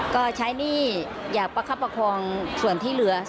ก็ใช้หนี้อยากประคับประคองส่วนที่เหลือ